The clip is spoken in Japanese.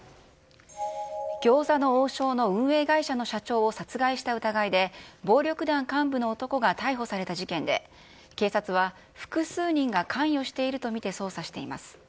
餃子の王将の運営会社の社長を殺害した疑いで、暴力団幹部の男が逮捕された事件で、警察は、複数人が関与していると見て捜査しています。